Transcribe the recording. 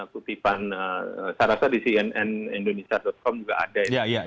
putipan saya rasa di cnnindonesia com juga ada